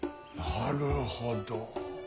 なるほど。